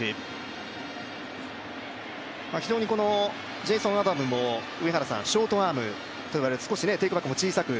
ジェイソン・アダムもショートアームと言われる、少しテイクバックも小さく。